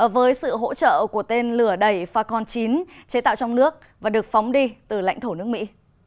với sự hỗ trợ của tên lửa đẩy facon chín chế tạo trong nước và được phóng đi từ lãnh thổ nước mỹ